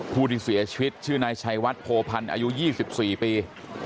ผู้ที่เสียชีวิตชื่อนายชัยวัดโพพันธ์อายุ๒๔ปี